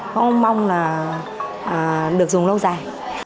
không mong là được dùng lâu dài